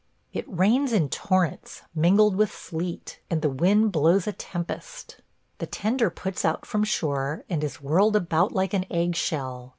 It rains in torrents, mingled with sleet, and the wind blows a tempest. The tender puts out from shore and is whirled about like an eggshell.